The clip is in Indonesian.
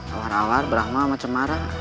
awar awar brahma sama cemara